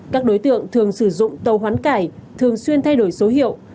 các đối tượng thường sử dụng tàu hoán cải thường xuyên thay đổi số hiệu